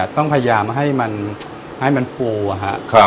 ต้องพยายามให้มันให้มันโฟร์